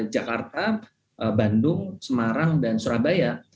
jakarta bandung semarang dan surabaya